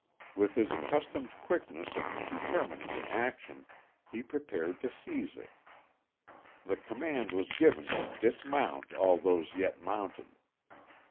With his accustomed quickness of determining an action, he prepared to seize it. The command was given to dismount all those yet mounted.